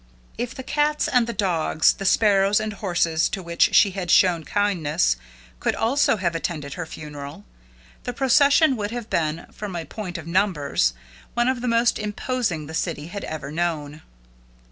If the cats and the dogs, the sparrows and horses to which she had shown kindness, could also have attended her funeral, the procession would have been, from a point of numbers, one of the most imposing the city had ever known.